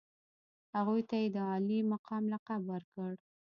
هغوی ته یې د عالي مقام لقب ورکړ.